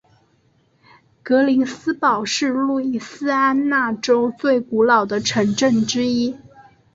格林斯堡是路易斯安那州最古老的城镇之一。